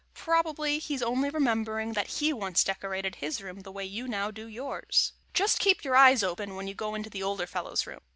Probably, he's only remembering that he once decorated his room the way you now do yours. Just keep your eyes open when you go into older fellows' rooms.